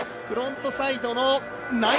フロントサイドの９００。